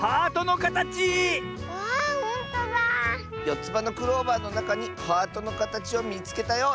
「よつばのクローバーのなかにハートのかたちをみつけたよ！」